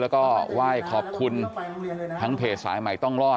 แล้วก็ไหว้ขอบคุณทั้งเพจสายใหม่ต้องรอด